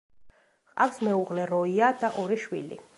ჰყავს მეუღლე როია და ორი შვილი.